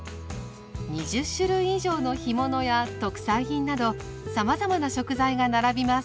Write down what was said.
２０種類以上の干物や特産品などさまざまな食材が並びます。